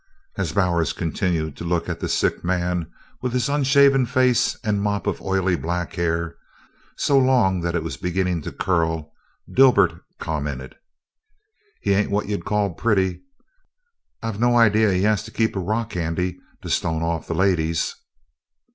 As Bowers continued to look at the sick man, with his unshaven face and mop of oily black hair, so long that it was beginning to curl, Dibert commented: "He ain't what you'd call pretty I've no idee he has to keep a rock handy to stone off the ladies."